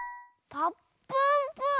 「ぱっぷんぷぅ」？